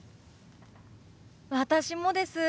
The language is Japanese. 私もです。